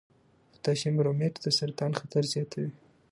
پوټاشیم برومیټ د سرطان خطر زیاتوي.